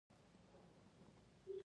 کوتره یو نازک خو قوي مرغه ده.